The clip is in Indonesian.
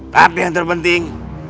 tapi yang terpenting